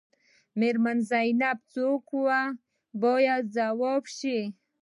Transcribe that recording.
میرمن زینب څوک وه باید ځواب شي.